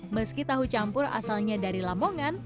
meski tahu campur asalnya dari lamongan